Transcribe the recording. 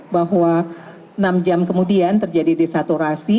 bahwa enam jam kemudian terjadi desaturasi